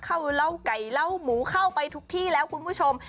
เหล้าไก่เล่าหมูเข้าไปทุกที่แล้วคุณผู้ชม